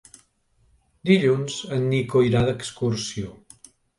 Dilluns en Nico irà d'excursió.